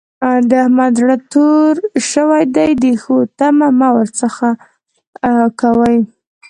د احمد زړه تور شوی دی؛ د ښو تمه مه ور څځه کوئ.